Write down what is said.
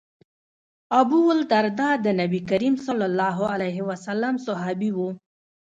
ابوالدرداء د نبي کریم ص صحابي و.